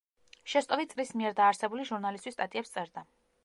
შესტოვი წრის მიერ დაარსებული ჟურნალისთვის სტატიებს წერდა.